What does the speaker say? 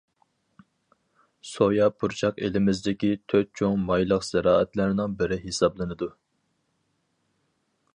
سويا پۇرچاق ئېلىمىزدىكى تۆت چوڭ مايلىق زىرائەتلەرنىڭ بىرى ھېسابلىنىدۇ.